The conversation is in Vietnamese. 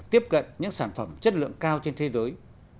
tiếp cận những sản phẩm chất lượng cao trên thế giới